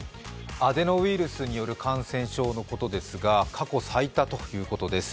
アデノウイルスによる感染症のことですが過去最多ということです。